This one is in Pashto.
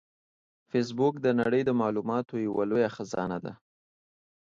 فېسبوک د نړۍ د معلوماتو یوه لویه خزانه ده